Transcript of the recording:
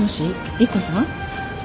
莉湖さん？